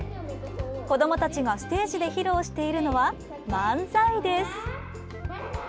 子どもたちがステージで披露しているのは、漫才です。